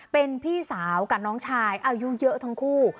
เป็นพี่สาวกับน้องชายอายุเยอะทั้งคู่